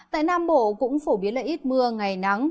tại nam bộ cũng phổ biến là ít mưa ngày nắng